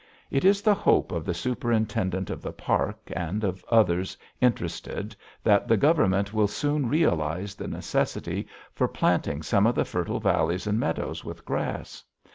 It is the hope of the Superintendent of the Park and of others interested that the Government will soon realize the necessity for planting some of the fertile valleys and meadows with grass.